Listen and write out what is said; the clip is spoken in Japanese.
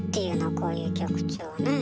こういう曲調ねえ？